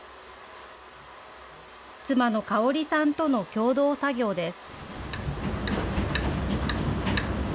妻のかおりさんとの共同作業です。